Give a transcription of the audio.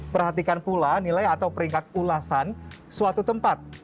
perhatikan pula nilai atau peringkat ulasan suatu tempat